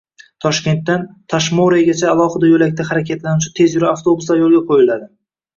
Toshkentdan Tashmoregacha alohida yo‘lakda harakatlanuvchi tezyurar avtobuslar yo‘lga qo‘yiladi